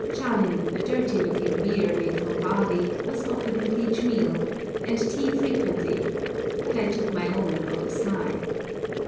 Chang, a dirty looking beer made from barley, was offered with each meal, and tea frequently, but I took my own 'on the sly.'